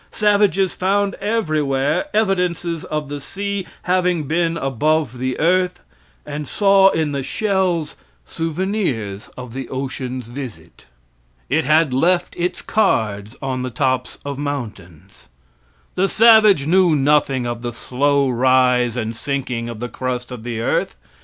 Savages found everywhere evidences of the sea having been above the earth, and saw in the shells souvenirs of the ocean's visit. It had left its cards on the tops of mountains. The savage knew nothing of the slow rise and sinking of the crust of the earth.